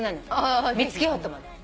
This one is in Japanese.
見つけようと思う。